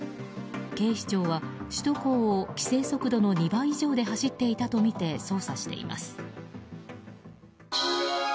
警視庁は、首都高を規制速度の２倍以上で走っていたとみて捜査しています。